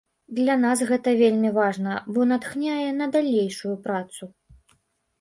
Для нас гэта вельмі важна, бо натхняе на далейшую працу.